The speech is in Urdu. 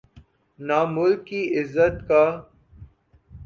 نہ ملک کی عزت کا۔